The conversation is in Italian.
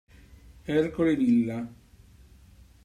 Ercole Villa